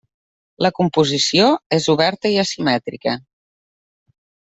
La composició és oberta i asimètrica.